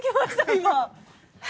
今。